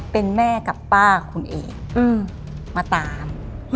เป็นแม่กับป้าคุณเอกมาตาม